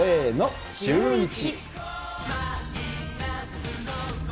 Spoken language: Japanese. せーの、シューイチ。